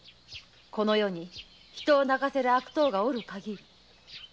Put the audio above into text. この世に人を泣かせる悪党がおるかぎり。